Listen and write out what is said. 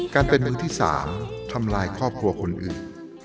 การเป็นหนึ่งที่สามทำลายครอบครัวคนอื่น